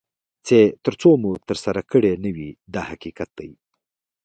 چې تر څو مو ترسره کړي نه وي دا حقیقت دی.